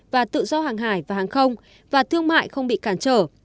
và tự do hàng hải và hàng không và thương mại không bị cản trở